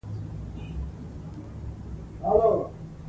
اداري عدالت ثبات راولي